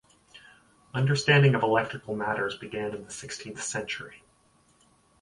Understanding of electrical matters began in the sixteenth century.